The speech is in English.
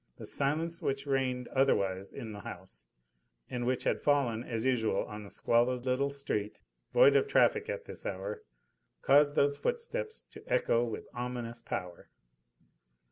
The silence which reigned otherwise in the house, and which had fallen as usual on the squalid little street, void of traffic at this hour, caused those footsteps to echo with ominous power.